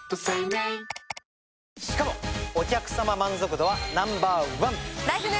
しかもお客さま満足度はナンバーワン！